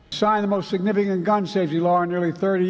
saya menandatangani peraturan penyelamat senjata yang paling penting